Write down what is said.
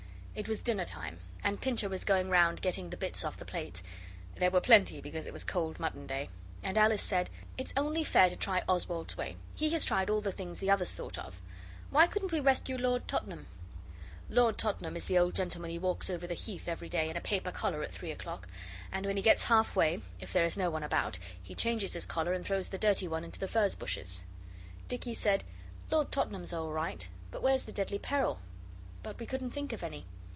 It was dinner time, and Pincher was going round getting the bits off the plates. There were plenty because it was cold mutton day. And Alice said 'It's only fair to try Oswald's way he has tried all the things the others thought of. Why couldn't we rescue Lord Tottenham?' Lord Tottenham is the old gentleman who walks over the Heath every day in a paper collar at three o'clock and when he gets halfway, if there is no one about, he changes his collar and throws the dirty one into the furze bushes. Dicky said, 'Lord Tottenham's all right but where's the deadly peril?' And we couldn't think of any.